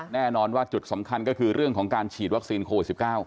แน่นอนว่าจุดสำคัญก็คือเรื่องของการฉีดวัคซีนโควิด๑๙